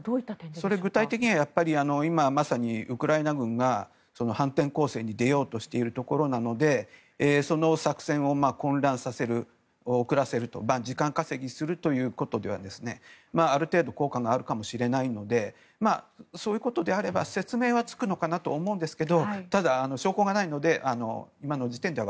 具体的には今まさにウクライナ軍が反転攻勢に出ようとしているところなのでその作戦を混乱させる遅らせると時間稼ぎするということではある程度効果があるかもしれないのでそういうことであれば説明はつくと思うんですがただ、証拠がないので今の時点では